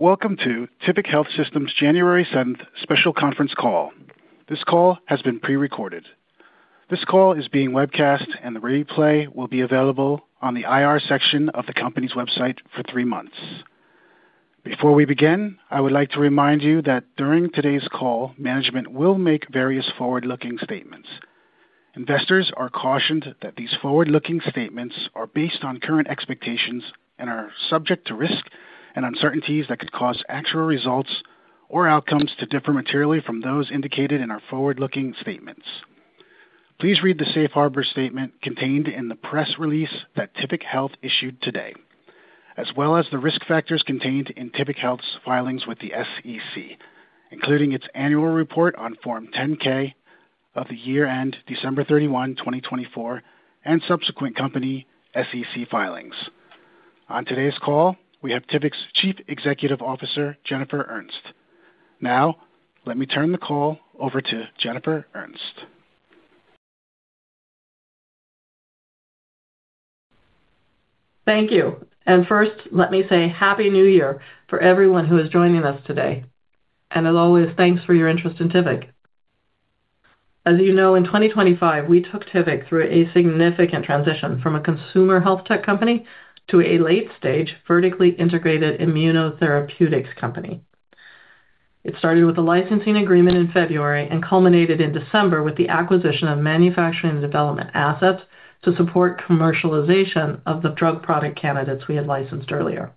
Welcome to Tivic Health Systems' January 7th special conference call. This call has been pre-recorded. This call is being webcast, and the replay will be available on the IR section of the company's website for three months. Before we begin, I would like to remind you that during today's call, management will make various forward-looking statements. Investors are cautioned that these forward-looking statements are based on current expectations and are subject to risk and uncertainties that could cause actual results or outcomes to differ materially from those indicated in our forward-looking statements. Please read the Safe Harbor statement contained in the press release that Tivic Health issued today, as well as the risk factors contained in Tivic Health's filings with the SEC, including its annual report on Form 10-K of the year end December 31, 2024, and subsequent company SEC filings. On today's call, we have Tivic's Chief Executive Officer, Jennifer Ernst. Now, let me turn the call over to Jennifer Ernst. Thank you. And first, let me say Happy New Year for everyone who is joining us today. And as always, thanks for your interest in Tivic. As you know, in 2025, we took Tivic through a significant transition from a consumer health tech company to a late-stage vertically integrated immunotherapeutics company. It started with a licensing agreement in February and culminated in December with the acquisition of manufacturing and development assets to support commercialization of the drug product candidates we had licensed earlier.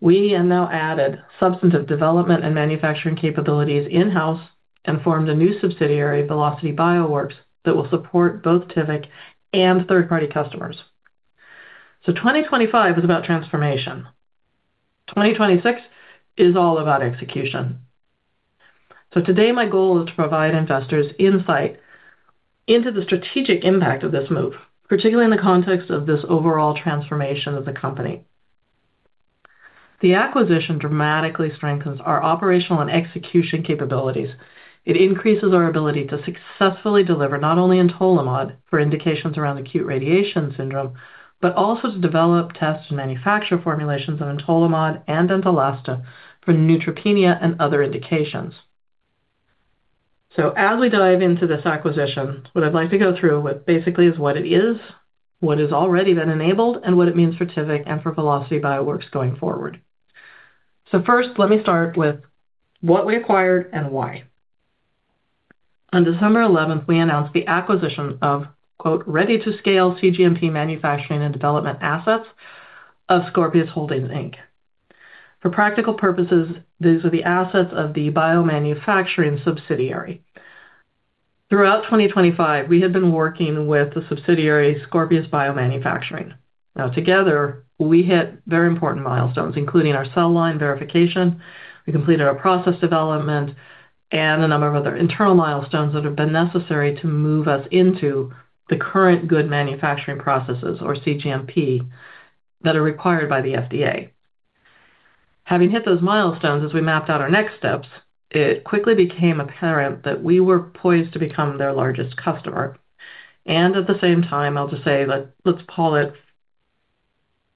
We have now added substantive development and manufacturing capabilities in-house and formed a new subsidiary, Velocity BioWorks, that will support both Tivic and third-party customers. So 2025 is about transformation. 2026 is all about execution. So today, my goal is to provide investors insight into the strategic impact of this move, particularly in the context of this overall transformation of the company. The acquisition dramatically strengthens our operational and execution capabilities. It increases our ability to successfully deliver not only Entolimod for indications around acute radiation syndrome, but also to develop, test, and manufacture formulations of Entolimod and Neulasta for neutropenia and other indications. So as we dive into this acquisition, what I'd like to go through with basically is what it is, what has already been enabled, and what it means for Tivic and for Velocity BioWorks going forward. So first, let me start with what we acquired and why. On December 11th, we announced the acquisition of "ready to scale cGMP manufacturing and development assets of Scorpius Holdings Inc." For practical purposes, these are the assets of the biomanufacturing subsidiary. Throughout 2025, we had been working with the subsidiary Scorpius Biomanufacturing. Now, together, we hit very important milestones, including our cell line verification. We completed our process development and a number of other internal milestones that have been necessary to move us into the current good manufacturing processes, or cGMP, that are required by the FDA. Having hit those milestones, as we mapped out our next steps, it quickly became apparent that we were poised to become their largest customer. And at the same time, I'll just say, let's call it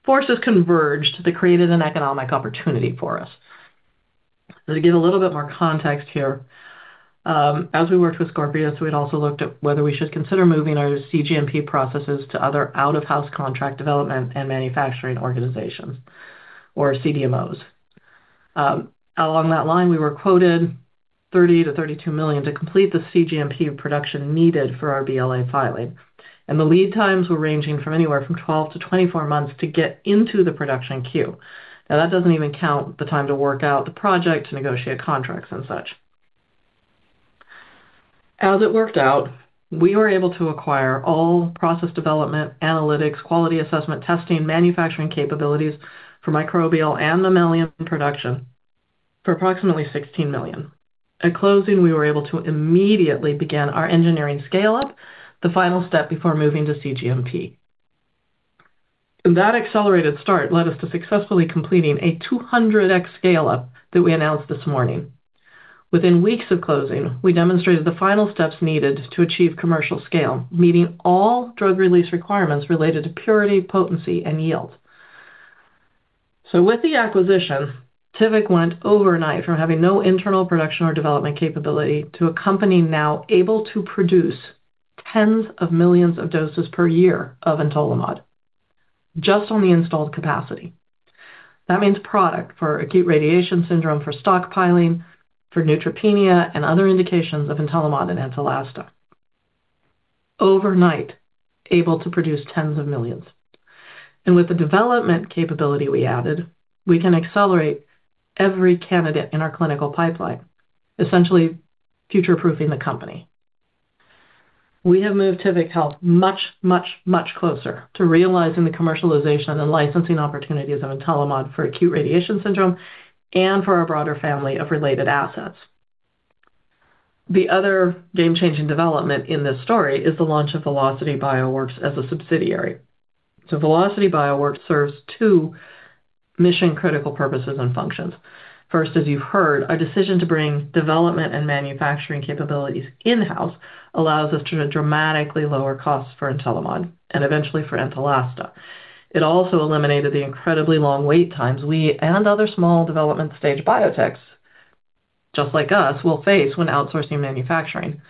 forces converged that created an economic opportunity for us. To give a little bit more context here, as we worked with Scorpius, we had also looked at whether we should consider moving our cGMP processes to other out-of-house contract development and manufacturing organizations, or CDMOs. Along that line, we were quoted $30-$32 million to complete the cGMP production needed for our BLA filing. And the lead times were ranging from anywhere from 12-24 months to get into the production queue. Now, that doesn't even count the time to work out the project to negotiate contracts and such. As it worked out, we were able to acquire all process development, analytics, quality assessment, testing, manufacturing capabilities for microbial and mammalian production for approximately $16 million. At closing, we were able to immediately begin our engineering scale-up, the final step before moving to cGMP. That accelerated start led us to successfully completing a 200x scale-up that we announced this morning. Within weeks of closing, we demonstrated the final steps needed to achieve commercial scale, meeting all drug release requirements related to purity, potency, and yield. With the acquisition, Tivic went overnight from having no internal production or development capability to a company now able to produce tens of millions of doses per year of Entolimod, just on the installed capacity. That means product for Acute Radiation Syndrome, for stockpiling, for neutropenia, and other indications of Entolimod and Neulasta. Overnight, able to produce tens of millions. And with the development capability we added, we can accelerate every candidate in our clinical pipeline, essentially future-proofing the company. We have moved Tivic Health much, much, much closer to realizing the commercialization and licensing opportunities of Entolimod for Acute Radiation Syndrome and for our broader family of related assets. The other game-changing development in this story is the launch of Velocity BioWorks as a subsidiary. So Velocity BioWorks serves two mission-critical purposes and functions. First, as you've heard, our decision to bring development and manufacturing capabilities in-house allows us to dramatically lower costs for Entolimod and eventually for Neulasta. It also eliminated the incredibly long wait times we and other small development-stage biotechs, just like us, will face when outsourcing manufacturing.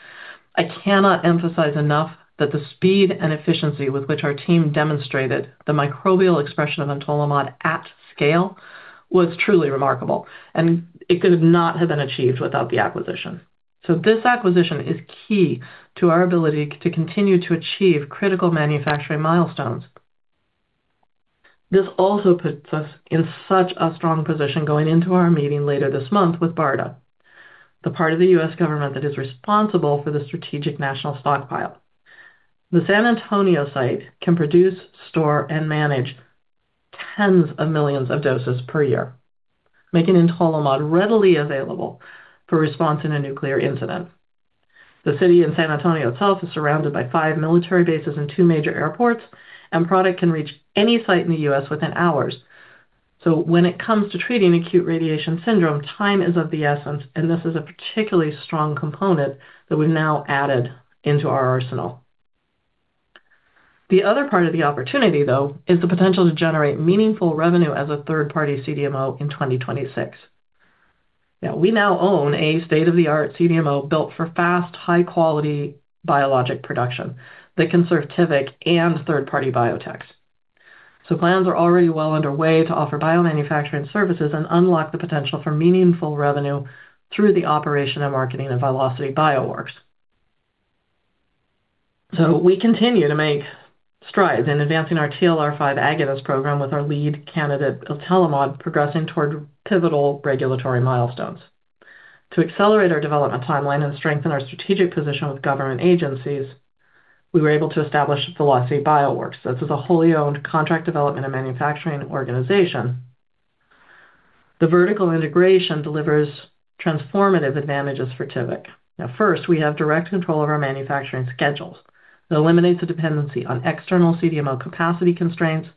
I cannot emphasize enough that the speed and efficiency with which our team demonstrated the microbial expression of Entolimod at scale was truly remarkable, and it could not have been achieved without the acquisition. So this acquisition is key to our ability to continue to achieve critical manufacturing milestones. This also puts us in such a strong position going into our meeting later this month with BARDA, the part of the U.S. government that is responsible for the strategic national stockpile. The San Antonio site can produce, store, and manage tens of millions of doses per year, making Entolimod readily available for response in a nuclear incident. The city in San Antonio itself is surrounded by five military bases and two major airports, and product can reach any site in the U.S. within hours, so when it comes to treating Acute Radiation Syndrome, time is of the essence, and this is a particularly strong component that we've now added into our arsenal. The other part of the opportunity, though, is the potential to generate meaningful revenue as a third-party CDMO in 2026. Now, we own a state-of-the-art CDMO built for fast, high-quality biologic production that can serve Tivic and third-party biotechs, so plans are already well underway to offer biomanufacturing services and unlock the potential for meaningful revenue through the operation and marketing of Velocity BioWorks. So we continue to make strides in advancing our TLR5 agonist program with our lead candidate Entolimod, progressing toward pivotal regulatory milestones. To accelerate our development timeline and strengthen our strategic position with government agencies, we were able to establish Velocity BioWorks. This is a wholly owned contract development and manufacturing organization. The vertical integration delivers transformative advantages for Tivic. Now, first, we have direct control of our manufacturing schedules. It eliminates the dependency on external CDMO capacity constraints.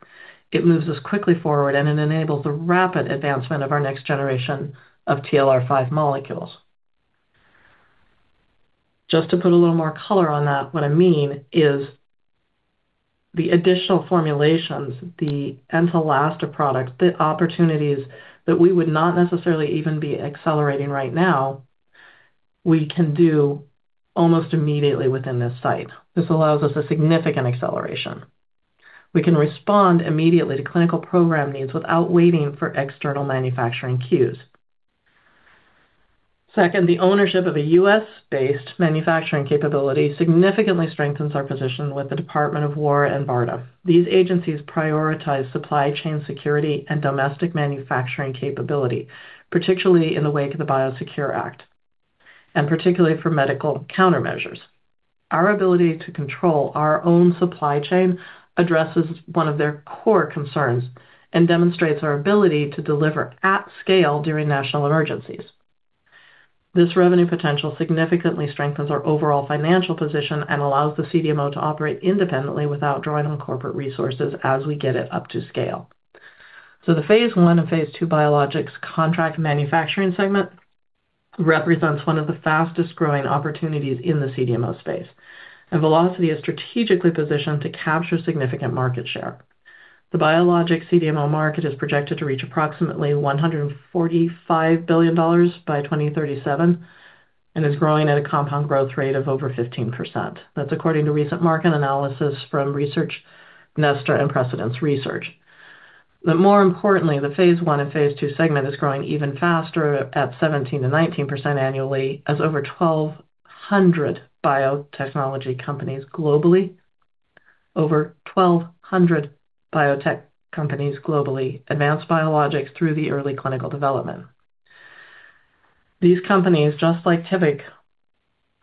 It moves us quickly forward, and it enables the rapid advancement of our next generation of TLR5 molecules. Just to put a little more color on that, what I mean is the additional formulations, the Neulasta product, the opportunities that we would not necessarily even be accelerating right now, we can do almost immediately within this site. This allows us a significant acceleration. We can respond immediately to clinical program needs without waiting for external manufacturing queues. Second, the ownership of a U.S.-based manufacturing capability significantly strengthens our position with the Department of War and BARDA. These agencies prioritize supply chain security and domestic manufacturing capability, particularly in the wake of the Biosecure Act, and particularly for medical countermeasures. Our ability to control our own supply chain addresses one of their core concerns and demonstrates our ability to deliver at scale during national emergencies. This revenue potential significantly strengthens our overall financial position and allows the CDMO to operate independently without drawing on corporate resources as we get it up to scale. So the phase I and phase II biologics contract manufacturing segment represents one of the fastest-growing opportunities in the CDMO space, and Velocity is strategically positioned to capture significant market share. The biologics CDMO market is projected to reach approximately $145 billion by 2037 and is growing at a compound growth rate of over 15%. That's according to recent market analysis from Research Nester and Precedence Research. More importantly, the phase I and phase II segment is growing even faster at 17%-19% annually, as over 1,200 biotechnology companies globally, over 1,200 biotech companies globally, advance biologics through the early clinical development. These companies, just like Tivic,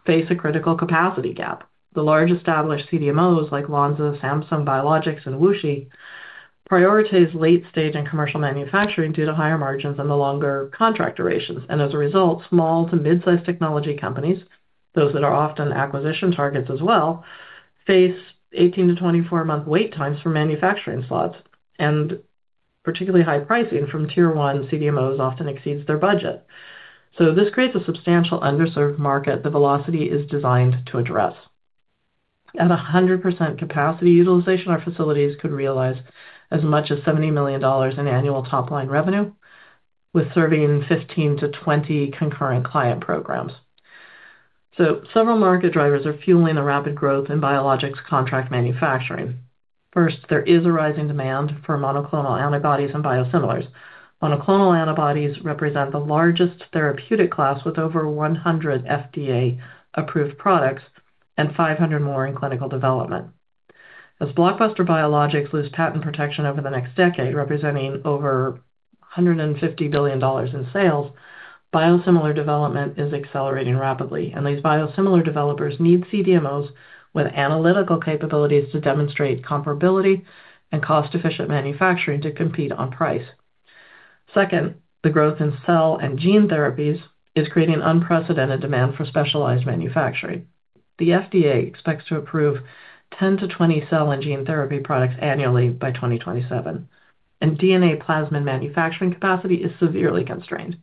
face a critical capacity gap. The large established CDMOs like Lonza, Samsung Biologics, and WuXi prioritize late-stage and commercial manufacturing due to higher margins and the longer contract durations. As a result, small to mid-sized technology companies, those that are often acquisition targets as well, face 18-24-month wait times for manufacturing slots, and particularly high pricing from Tier I CDMOs often exceeds their budget. So this creates a substantial underserved market that Velocity is designed to address. At 100% capacity utilization, our facilities could realize as much as $70 million in annual top-line revenue, with serving 15-20 concurrent client programs. So several market drivers are fueling the rapid growth in biologics contract manufacturing. First, there is a rising demand for monoclonal antibodies and biosimilars. Monoclonal antibodies represent the largest therapeutic class, with over 100 FDA-approved products and 500 more in clinical development. As blockbuster biologics lose patent protection over the next decade, representing over $150 billion in sales, biosimilar development is accelerating rapidly. And these biosimilar developers need CDMOs with analytical capabilities to demonstrate comparability and cost-efficient manufacturing to compete on price. Second, the growth in cell and gene therapies is creating unprecedented demand for specialized manufacturing. The FDA expects to approve 10 to 20 cell and gene therapy products annually by 2027. And DNA plasmid manufacturing capacity is severely constrained.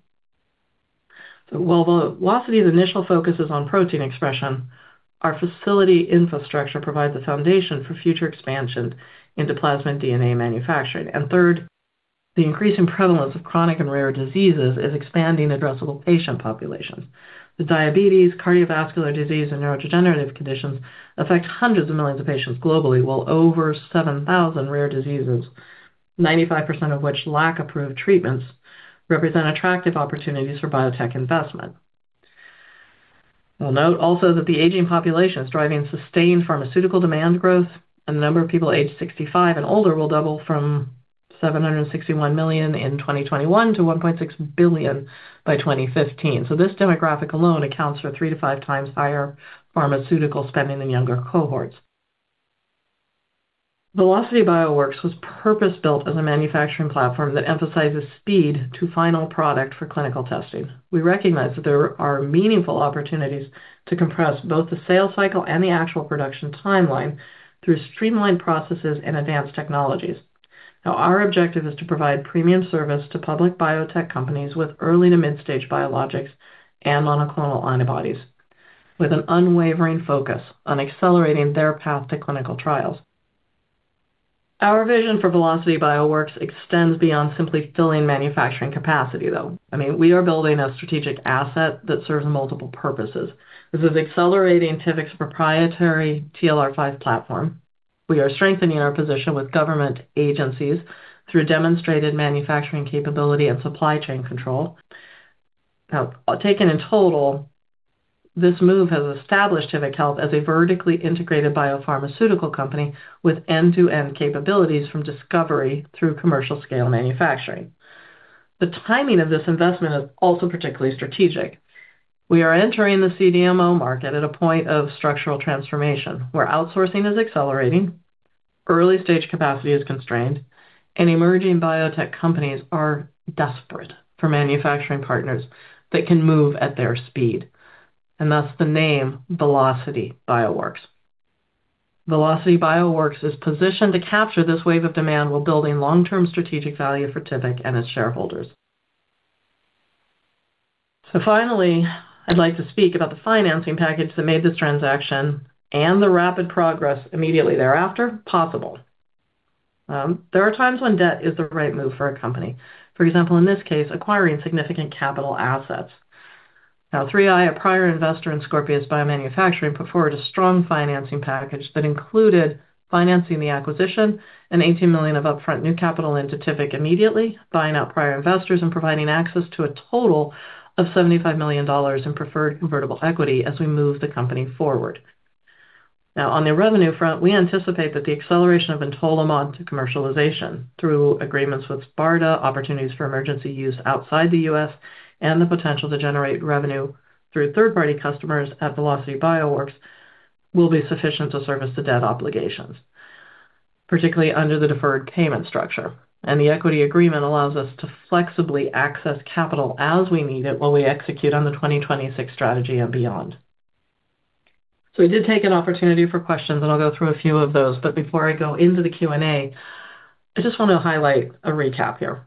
So while Velocity's initial focus is on protein expression, our facility infrastructure provides the foundation for future expansion into plasmid DNA manufacturing. And third, the increasing prevalence of chronic and rare diseases is expanding addressable patient populations. The diabetes, cardiovascular disease, and neurodegenerative conditions affect hundreds of millions of patients globally, while over 7,000 rare diseases, 95% of which lack approved treatments, represent attractive opportunities for biotech investment. I'll note also that the aging population is driving sustained pharmaceutical demand growth, and the number of people aged 65 and older will double from 761 million in 2021 to 1.6 billion by 2050. So this demographic alone accounts for three to five times higher pharmaceutical spending in younger cohorts. Velocity BioWorks was purpose-built as a manufacturing platform that emphasizes speed to final product for clinical testing. We recognize that there are meaningful opportunities to compress both the sales cycle and the actual production timeline through streamlined processes and advanced technologies. Now, our objective is to provide premium service to public biotech companies with early to mid-stage biologics and monoclonal antibodies, with an unwavering focus on accelerating their path to clinical trials. Our vision for Velocity BioWorks extends beyond simply filling manufacturing capacity, though. I mean, we are building a strategic asset that serves multiple purposes. This is accelerating Tivic's proprietary TLR5 platform. We are strengthening our position with government agencies through demonstrated manufacturing capability and supply chain control. Now, taken in total, this move has established Tivic Health as a vertically integrated biopharmaceutical company with end-to-end capabilities from discovery through commercial-scale manufacturing. The timing of this investment is also particularly strategic. We are entering the CDMO market at a point of structural transformation where outsourcing is accelerating, early-stage capacity is constrained, and emerging biotech companies are desperate for manufacturing partners that can move at their speed, and that's the name Velocity BioWorks. Velocity BioWorks is positioned to capture this wave of demand while building long-term strategic value for Tivic and its shareholders, so finally, I'd like to speak about the financing package that made this transaction and the rapid progress immediately thereafter possible. There are times when debt is the right move for a company. For example, in this case, acquiring significant capital assets. Now, Third Eye, a prior investor in Scorpius Biomanufacturing, put forward a strong financing package that included financing the acquisition and 18 million of upfront new capital into Tivic immediately, buying out prior investors and providing access to a total of $75 million in preferred convertible equity as we move the company forward. Now, on the revenue front, we anticipate that the acceleration of entolimod to commercialization through agreements with BARDA, opportunities for emergency use outside the U.S., and the potential to generate revenue through third-party customers at Velocity BioWorks will be sufficient to service the debt obligations, particularly under the deferred payment structure. And the equity agreement allows us to flexibly access capital as we need it while we execute on the 2026 strategy and beyond. So we did take an opportunity for questions, and I'll go through a few of those. But before I go into the Q&A, I just want to highlight a recap here.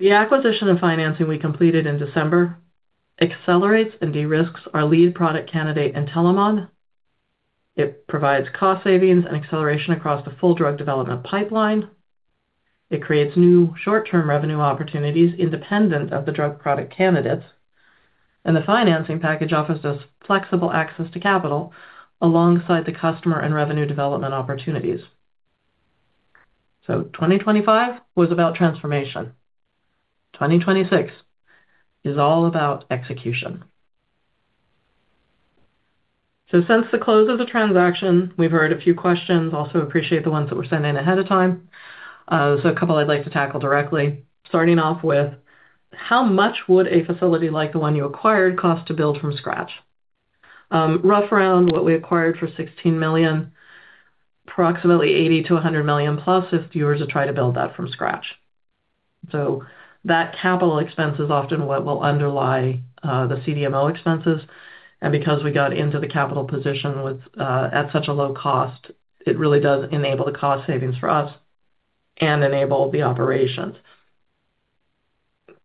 The acquisition and financing we completed in December accelerates and de-risks our lead product candidate Entolimod. It provides cost savings and acceleration across the full drug development pipeline. It creates new short-term revenue opportunities independent of the drug product candidates. And the financing package offers us flexible access to capital alongside the customer and revenue development opportunities. So 2025 was about transformation. 2026 is all about execution. So since the close of the transaction, we've heard a few questions. Also appreciate the ones that were sent in ahead of time. There's a couple I'd like to tackle directly. Starting off with, how much would a facility like the one you acquired cost to build from scratch? Roughly around what we acquired for $16 million, approximately $80 million-$100 million plus if you were to try to build that from scratch. So that capital expense is often what will underlie the CDMO expenses. And because we got into the capital position at such a low cost, it really does enable the cost savings for us and enable the operations.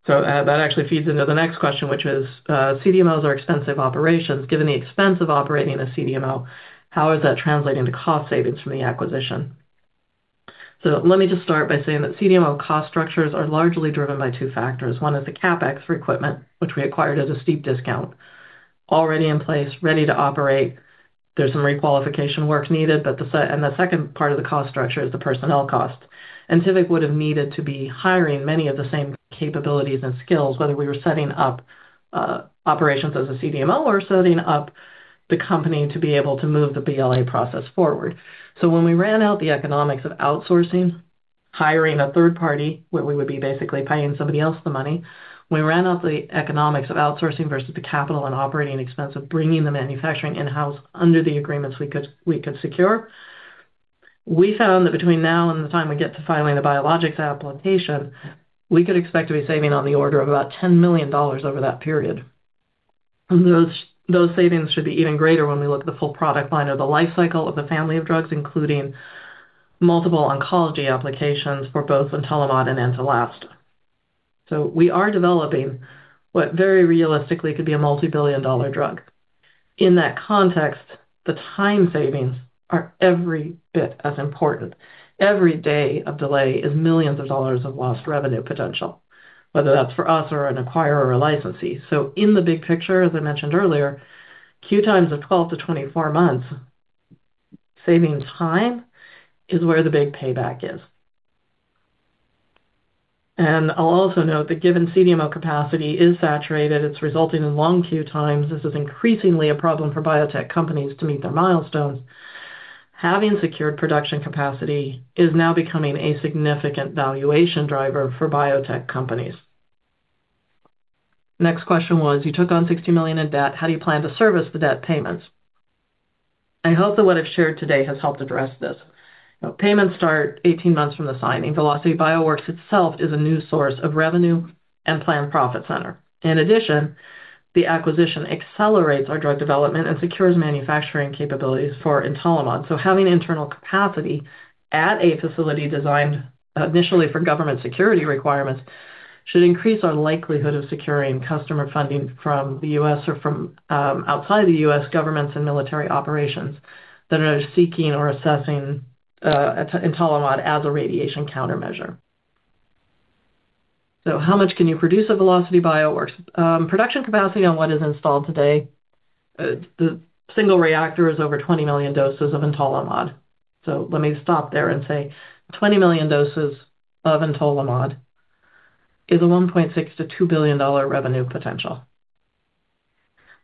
So that actually feeds into the next question, which is, CDMOs are expensive operations. Given the expense of operating a CDMO, how is that translating to cost savings from the acquisition? So let me just start by saying that CDMO cost structures are largely driven by two factors. One is the CapEx for equipment, which we acquired at a steep discount, already in place, ready to operate. There's some requalification work needed, but the second part of the cost structure is the personnel cost. Tivic would have needed to be hiring many of the same capabilities and skills, whether we were setting up operations as a CDMO or setting up the company to be able to move the BLA process forward. So when we ran out the economics of outsourcing, hiring a third party where we would be basically paying somebody else the money, when we ran out the economics of outsourcing versus the capital and operating expense of bringing the manufacturing in-house under the agreements we could secure, we found that between now and the time we get to filing the biologics application, we could expect to be saving on the order of about $10 million over that period. Those savings should be even greater when we look at the full product line or the life cycle of the family of drugs, including multiple oncology applications for both Entolimod and Neulasta. So we are developing what very realistically could be a multi-billion dollar drug. In that context, the time savings are every bit as important. Every day of delay is millions of dollars of lost revenue potential, whether that's for us or an acquirer or a licensee. So in the big picture, as I mentioned earlier, queue times of 12-24 months, saving time is where the big payback is. And I'll also note that given CDMO capacity is saturated, it's resulting in long queue times. This is increasingly a problem for biotech companies to meet their milestones. Having secured production capacity is now becoming a significant valuation driver for biotech companies. Next question was, you took on $60 million in debt. How do you plan to service the debt payments? I hope that what I've shared today has helped address this. Payments start 18 months from the signing. Velocity BioWorks itself is a new source of revenue and planned profit center. In addition, the acquisition accelerates our drug development and secures manufacturing capabilities for Entolimod. So having internal capacity at a facility designed initially for government security requirements should increase our likelihood of securing customer funding from the U.S. or from outside the U.S. governments and military operations that are seeking or assessing Entolimod as a radiation countermeasure. So how much can you produce at Velocity BioWorks? Production capacity on what is installed today, the single reactor is over 20 million doses of Entolimod. So let me stop there and say 20 million doses of Entolimod is a $1.6-$2 billion revenue potential.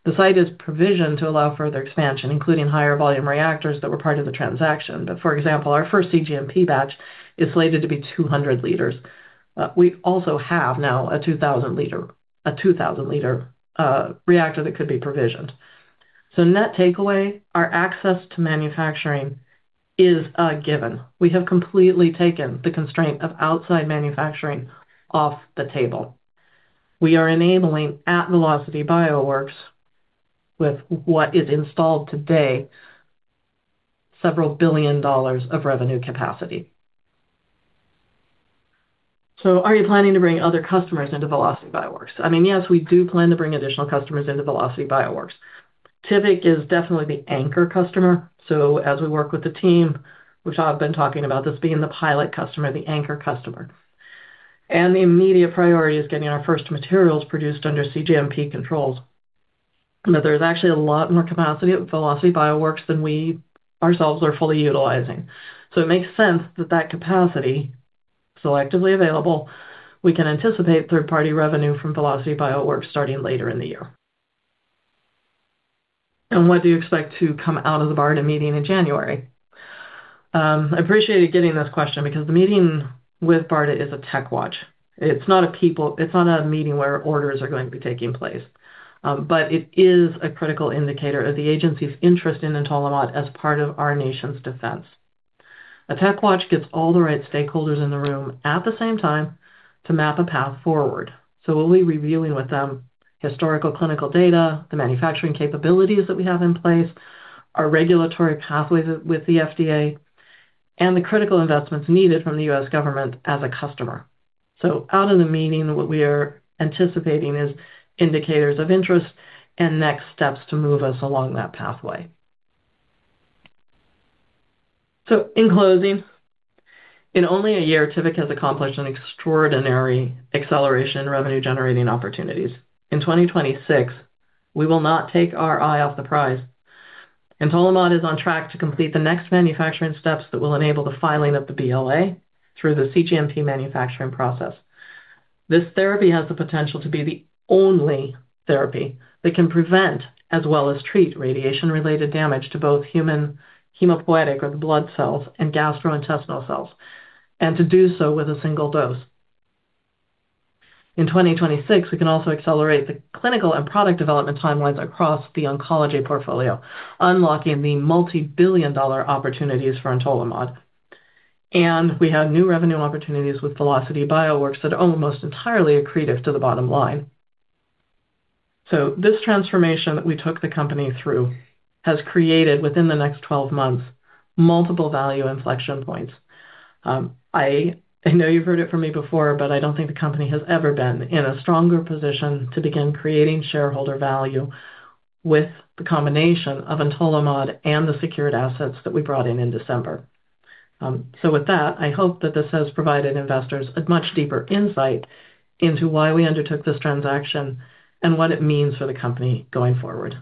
The site is provisioned to allow further expansion, including higher volume reactors that were part of the transaction. But for example, our first cGMP batch is slated to be 200 liters. We also have now a 2,000-liter reactor that could be provisioned. So net takeaway, our access to manufacturing is a given. We have completely taken the constraint of outside manufacturing off the table. We are enabling at Velocity BioWorks with what is installed today, several billion dollars of revenue capacity. So are you planning to bring other customers into Velocity BioWorks? I mean, yes, we do plan to bring additional customers into Velocity BioWorks. Tivic is definitely the anchor customer. So as we work with the team, which I've been talking about this being the pilot customer, the anchor customer. And the immediate priority is getting our first materials produced under cGMP controls. But there's actually a lot more capacity at Velocity BioWorks than we ourselves are fully utilizing. So it makes sense that that capacity is selectively available. We can anticipate third-party revenue from Velocity BioWorks starting later in the year. And what do you expect to come out of the BARDA meeting in January? I appreciated getting this question because the meeting with BARDA is a tech watch. It's not a meeting where orders are going to be taking place. But it is a critical indicator of the agency's interest in Entolimod as part of our nation's defense. A tech watch gets all the right stakeholders in the room at the same time to map a path forward. So we'll be reviewing with them historical clinical data, the manufacturing capabilities that we have in place, our regulatory pathways with the FDA, and the critical investments needed from the U.S. government as a customer. So out of the meeting, what we are anticipating is indicators of interest and next steps to move us along that pathway. In closing, in only a year, Tivic has accomplished an extraordinary acceleration in revenue-generating opportunities. In 2026, we will not take our eye off the prize. Entolimod is on track to complete the next manufacturing steps that will enable the filing of the BLA through the cGMP manufacturing process. This therapy has the potential to be the only therapy that can prevent as well as treat radiation-related damage to both human hematopoietic or the blood cells and gastrointestinal cells, and to do so with a single dose. In 2026, we can also accelerate the clinical and product development timelines across the oncology portfolio, unlocking the multi-billion-dollar opportunities for entolimod. We have new revenue opportunities with Velocity BioWorks that are almost entirely accretive to the bottom line. This transformation that we took the company through has created within the next 12 months multiple value inflection points. I know you've heard it from me before, but I don't think the company has ever been in a stronger position to begin creating shareholder value with the combination of Entolimod and the secured assets that we brought in in December. So with that, I hope that this has provided investors a much deeper insight into why we undertook this transaction and what it means for the company going forward,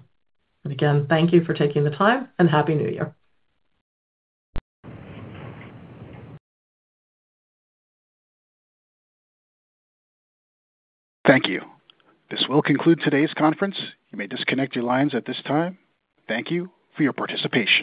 and again, thank you for taking the time and happy New Year. Thank you. This will conclude today's conference. You may disconnect your lines at this time. Thank you for your participation.